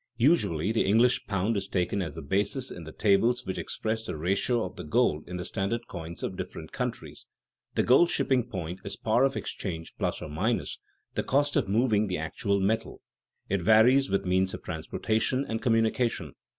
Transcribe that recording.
Usually the English pound is taken as the basis in the tables which express the ratio of the gold in the standard coins of different countries. The gold shipping point is par of exchange plus or minus the cost of moving the actual metal; it varies with means of transportation and communication.